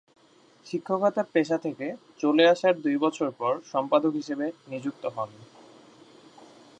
শিক্ষকতা পেশা থেকে চলে আসার দুই বছর পর সম্পাদক হিসেবে নিযুক্ত হন।